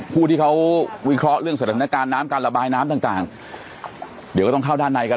ผู้ที่เขาวิเคราะห์เรื่องสถานการณ์น้ำการระบายน้ำต่างต่างเดี๋ยวก็ต้องเข้าด้านในกัน